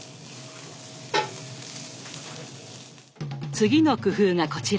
次の工夫がこちら。